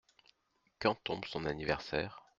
Quand tombe son anniversaire ?